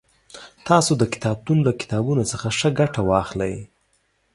تاسو د کتابتون له کتابونو څخه ښه ګټه واخلئ